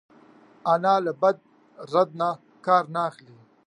انا له بد رد نه کار نه اخلي